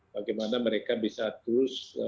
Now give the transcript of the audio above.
bagaimana mereka bisa terus